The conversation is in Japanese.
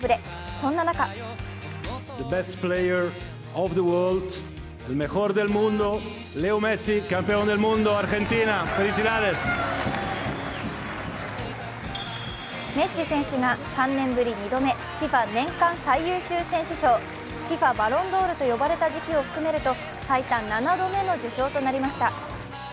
そんな中メッシ選手が３年ぶり２度目、ＦＩＦＡ年間最優秀選手賞、ＦＩＦＡバロンドールと呼ばれた時期を含めると通算７度目の受賞となりました。